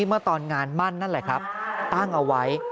เมื่อตอนงานมั่นนั่นแหละครับตั้งเอาไว้